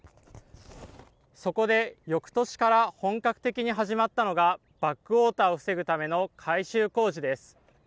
そこでよくとしから本格的に始まったのが、バックウォーターを防ぐための改修工事です。